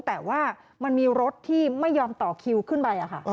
แต่ว่ามันมีรถที่ไม่ยอมต่อคิวขึ้นไป